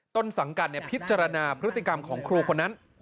ต้นสังกัดพิจารณาพฤติกรรมของครูคนนั้น